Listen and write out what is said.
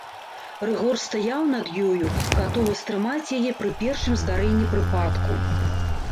Рыгор стаяў над ёю, гатовы стрымаць яе пры першым здарэнні прыпадку.